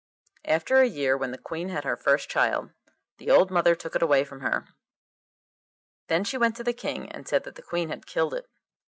After a year, when the Queen had her first child, the old mother took it away from her. Then she went to the King and said that the Queen had killed it.